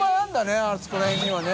世あそこら辺にはね。